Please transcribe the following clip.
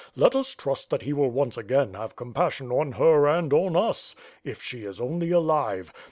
Let us trust that he will once again have compassion on her and on us. If she is only alive!